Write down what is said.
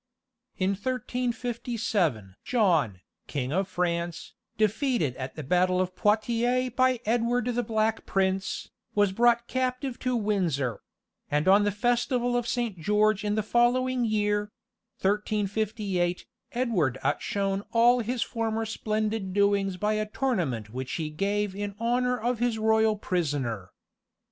In 1357 John, King of France, defeated at the battle of Poitiers by Edward the Black Prince, was brought captive to Windsor; and on the festival of Saint George in the following year; 1358, Edward outshone all his former splendid doings by a tournament which he gave in honour of his royal prisoner.